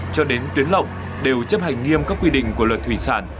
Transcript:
cho đến tuyến lộng đều chấp hành nghiêm các quy định của luật thủy sản